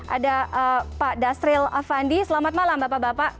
ada pak dasril afandi selamat malam bapak bapak